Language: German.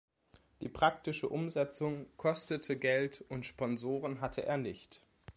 Die praktische Umsetzung kostete Geld, und Sponsoren hatte er nicht.